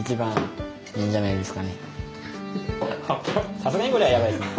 さすがにこれはやばいですね。